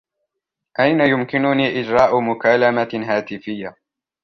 أين يمكنني إجراء مكالمة هاتفية ؟